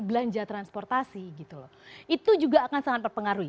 belanja transportasi itu juga akan sangat berpengaruhi